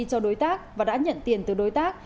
cho đối tác và đã nhận tiền từ đối tác